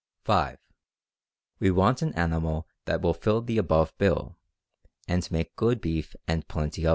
"(5) We want an animal that will fill the above bill, and make good beef and plenty of it.